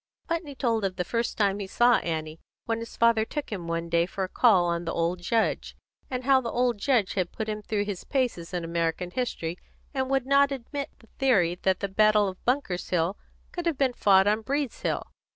Putney told of the first time he saw Annie, when his father took him one day for a call on the old judge, and how the old judge put him through his paces in American history, and would not admit the theory that the battle of Bunker's Hill could have been fought on Breed's Hill.